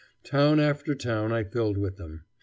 Town after town I filled with them.